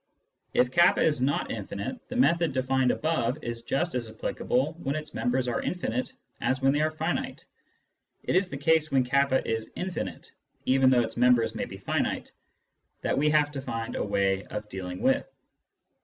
If Selections and the Multiplicative Axiom 119 k is not infinite, the method defined above is just as applicable when its members are infinite as when they are finite. It is the case when k is infinite, even though its members may be finite, that we have to find a way of dealing with.